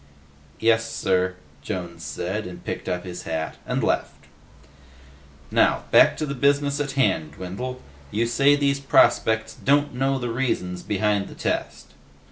"Yes, sir," Jones said, and picked up his hat and left. "Now, back to the business at hand, Dwindle. You say these prospects don't know the reasons behind the test?"